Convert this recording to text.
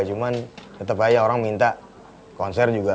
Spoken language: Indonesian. cuman tetap aja orang minta konser juga